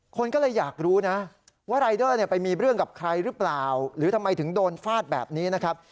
คนก็เลยอยากรู้นะว่ารายเดอร์ไปมีเรื่องกับใครหรือเปล่าหรือทำไมถึงโดนฟาดแบบนี้นะครับ